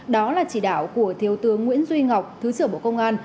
đó là chỉ đạo của thiếu tướng nguyễn duy ngọc thứ trưởng bộ công an